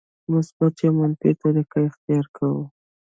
مثبته یا منفي طریقه اختیار کوو.